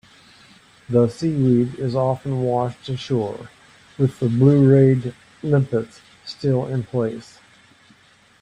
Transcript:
The seaweed is often washed ashore, with the blue-rayed limpets still in place.